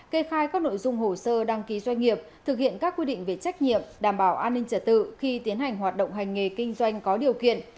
kê khai các nội dung hồ sơ đăng ký doanh nghiệp thực hiện các quy định về trách nhiệm đảm bảo an ninh trả tự khi tiến hành hoạt động hành nghề kinh doanh có điều kiện